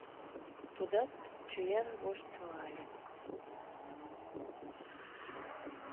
Тудат чоян воштылале.